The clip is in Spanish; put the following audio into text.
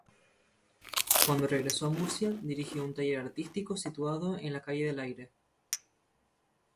Cuando regresó a Murcia dirigió un taller artístico situado en la calle del Aire.